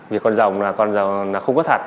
vì con rồng là con rồng là không có thật